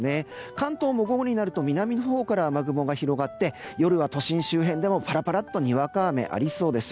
関東も午後になると南のほうから雨雲が広がって夜は都心周辺でもぱらぱらとにわか雨がありそうです。